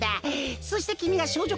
そしてきみがしょうじょ